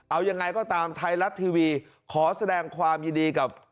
เอายังไงก็ตามไทยรัฐทีวีขอแสดงความยินดีกับ